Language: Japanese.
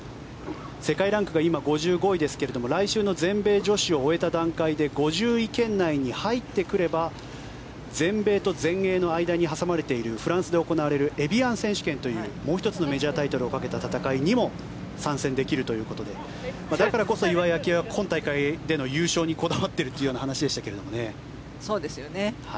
世界ランクが今５５位ですが来週の全米女子を終えた段階で５０位圏内に入ってくれば全米と全英の間に挟まれているフランスで行われるエビアン選手権というもう１つのメジャータイトルをかけた戦いにも参戦できるということでだからこそ岩井明愛は今大会での優勝にこだわっているというような話でしたが。